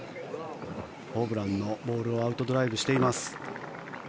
ホブランのボールはアウトドライブしています。